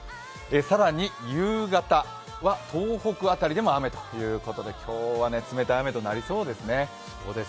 更に夕方は東北辺りでも雨ということで今日は冷たい雨となりそうですね。